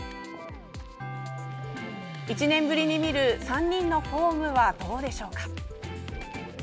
１年ぶりに見る、３人のフォームはどうでしょうか？